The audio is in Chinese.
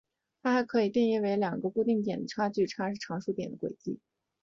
它还可以定义为与两个固定的点的距离差是常数的点的轨迹。